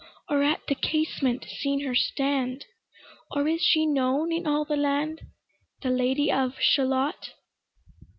Or at the casement seen her stand? Or is she known in all the land, The Lady of Shalott?